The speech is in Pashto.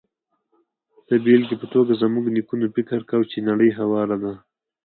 د بېلګې په توګه، زموږ نیکونو فکر کاوه چې نړۍ هواره ده.